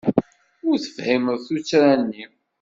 Ur tefhimeḍ tuttra-nni.